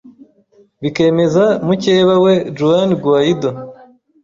bikemeza mukeba we Juan Guaidó